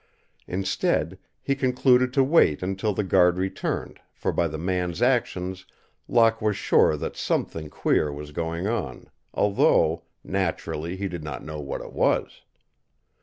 Instead he concluded to wait until the guard returned, for by the man's actions Locke was sure that something queer was going on, although, naturally, he did not know what it was.